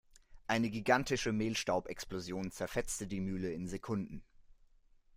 Eine gigantische Mehlstaubexplosion zerfetzte die Mühle in Sekunden.